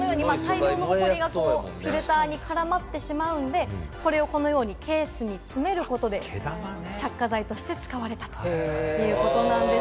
フィルターにホコリが絡まってしまうので、これをこのようにケースに詰めることで着火剤として使われたということなんです。